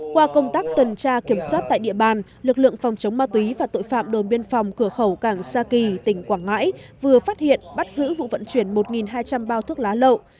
qua công tác tuần tra kiểm soát tại địa bàn lực lượng phòng chống ma túy và tội phạm đồn biên phòng cửa khẩu cảng sa kỳ tỉnh quảng ngãi vừa phát hiện bắt giữ vụ vận chuyển một hai trăm linh bao thuốc lá lậu